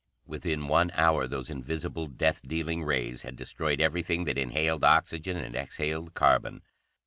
Within one hour, those invisible, death dealing rays had destroyed everything that inhaled oxygen and exhaled carbon.